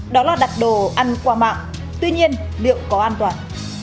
đó là đặt đồ ăn qua mạng tuy nhiên liệu có an toàn